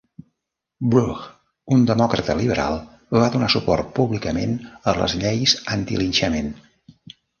Brough, un demòcrata liberal, va donar suport públicament a les lleis antilinxament.